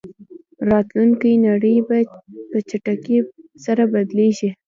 راتلونکې نړۍ به په چټکۍ سره بدلېږي.